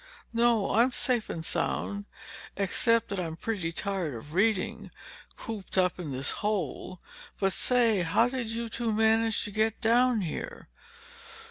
"No, I'm safe and sound, except that I'm pretty tired of reading—cooped up in this hole. But say, how did you two manage to get down here?"